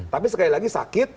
tapi sekali lagi sakit